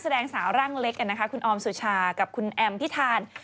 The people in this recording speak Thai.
แสดงสาวร่างเล็กคุณออมสุชากับคุณแอมพิธาน